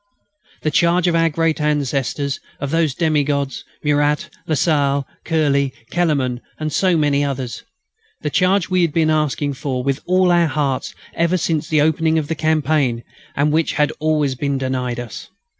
The charge of our great ancestors, of those demi gods, Murat, Lasalle, Curély, Kellermann and so many others! The charge we had been asking for, with all our hearts, ever since the opening of the campaign, and which had always been denied us!